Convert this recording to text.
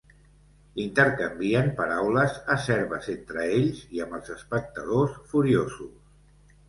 Intercanvien paraules acerbes entre ells i amb els espectadors furiosos.